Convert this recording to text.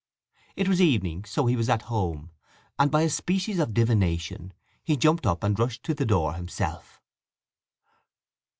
It was evening—so he was at home; and by a species of divination he jumped up and rushed to the door himself.